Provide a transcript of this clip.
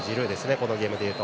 このゲームでいうと。